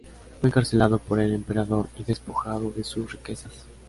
Fue encarcelado por el Emperador y despojado de sus riquezas.